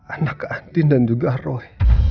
anak keantin dan juga roy